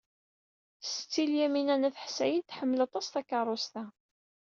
Setti Lyamina n At Ḥsayen tḥemmel aṭas takeṛṛust-a.